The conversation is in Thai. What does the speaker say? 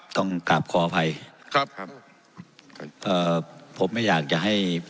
ต้องกลับขออภัยครับครับเอ่อผมไม่อยากจะให้